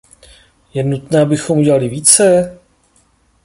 Je nutné, abychom udělali více?